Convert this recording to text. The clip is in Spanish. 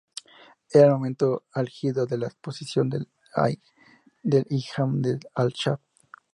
Era el momento álgido de la oposición del Imam al sha.